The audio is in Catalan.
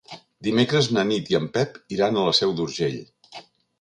Dimecres na Nit i en Pep iran a la Seu d'Urgell.